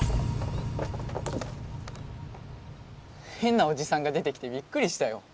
へんなおじさんが出てきてびっくりしたよ。